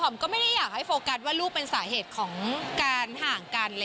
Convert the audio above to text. ก็ไม่ได้อยากให้โฟกัสว่าลูกเป็นสาเหตุของการห่างกัน